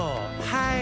はい！